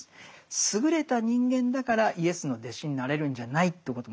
優れた人間だからイエスの弟子になれるんじゃないということもですね